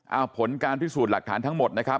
เอาผลการพิสูจน์หลักฐานทั้งหมดนะครับ